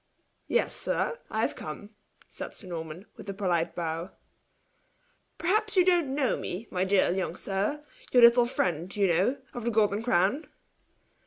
"Yes, sir I have come!" said Sir Norman, with a polite bow. "Perhaps you don't know me, my dear young sir your little friend, you know, of the Golden Crown."